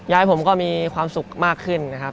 ยายผมก็มีความสุขมากขึ้นนะครับ